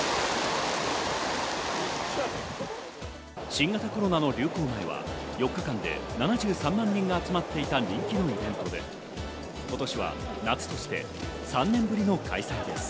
新型コロナの流行前は４日間で７３万人が集まっていた人気のイベントで今年は夏として３年ぶりの開催です。